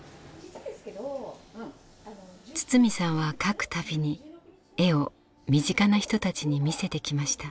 堤さんは描く度に絵を身近な人たちに見せてきました。